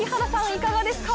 いかがですか？